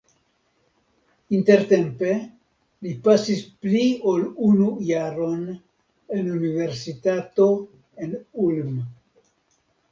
Intertempe li pasis pli ol unu jaron en universitato en Ulm.